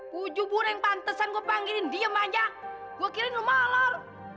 pujuh burung yang pantesan gua panggilin diem aja gua kirain lo malor